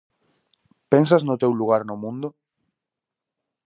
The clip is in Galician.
Pensas no teu lugar no mundo?